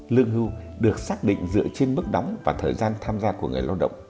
lương hưu được xác định dựa trên mức đóng và thời gian tham gia của người lao động